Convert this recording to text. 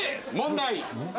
問題。